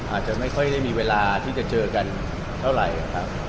อาจจะไม่ค่อยได้มีเวลาที่จะเจอกันเท่าไหร่ครับ